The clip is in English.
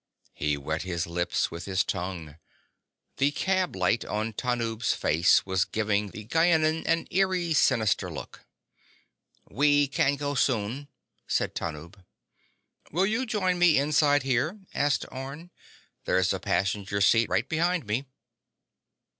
He wet his lips with his tongue. The cab light on Tanub's face was giving the Gienahn an eerie sinister look. "We can go soon," said Tanub. "Will you join me inside here?" asked Orne. "There's a passenger seat right behind me."